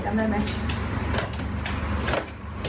จำได้ไหม